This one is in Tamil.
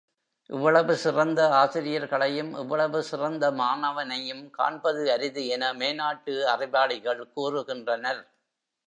இவ்வளவு சிறந்த ஆசிரியர்களையும் இவ்வளவு சிறந்த மாணவனையும் காண்பது அரிது என மேனாட்டு அறிவாளிகள் கூறுகின்றனர்.